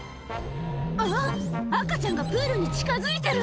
あぁ赤ちゃんがプールに近づいてる！